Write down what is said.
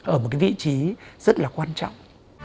ở một cái vị trí rất là quan trọng